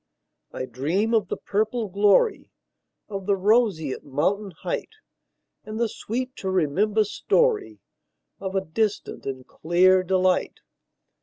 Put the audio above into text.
I dream of the purple gloryOf the roseate mountain heightAnd the sweet to remember storyOf a distant and clear delight.